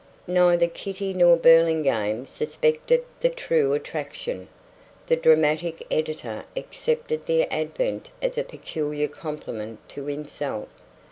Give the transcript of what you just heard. Neither Kitty nor Burlingame suspected the true attraction. The dramatic editor accepted the advent as a peculiar compliment to himself.